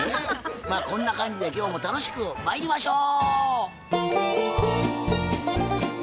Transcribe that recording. まあこんな感じで今日も楽しくまいりましょう！